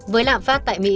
với lạm phát tại mỹ